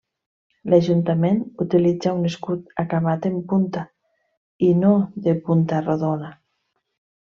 L'ajuntament utilitza un escut acabat en punta i no de punta rodona.